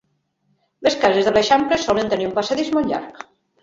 Les cases de l'eixample solen tenir un passadís molt llarg.